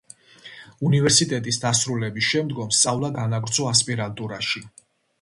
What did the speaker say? უნივერსიტეტის დასრულების შემდგომ სწავლა განაგრძო ასპირანტურაში.